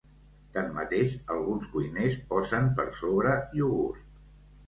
Tanmateix, alguns cuiners posen per sobre iogurt.